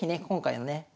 今回のね